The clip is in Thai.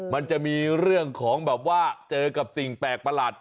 มันจะมีเรื่องของแบบว่าเจอกับสิ่งแปลกประหลาด